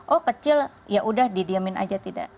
oh kecil ya udah didiamin aja tidak